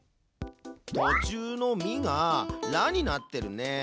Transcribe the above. とちゅうの「ミ」が「ラ」になってるね。